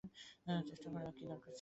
চেষ্টা করার কী দরকার ছিল?